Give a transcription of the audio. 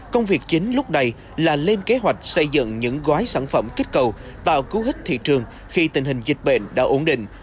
công việc chính lúc này là lên kế hoạch xây dựng những gói sản phẩm kích cầu tạo cú hích thị trường khi tình hình dịch bệnh đã ổn định